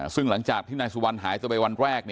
ซึ่งหลังจากที่นายสุวรรณหายตัวไปวันแรก